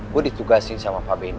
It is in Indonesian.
gue ditugasin sama pak benn